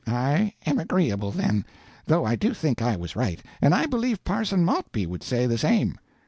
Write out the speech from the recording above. "I am agreeable, then, though I do think I was right, and I believe Parson Maltby would say the same.